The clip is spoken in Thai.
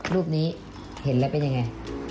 รูปนี้เห็นแล้วเป็นยังไง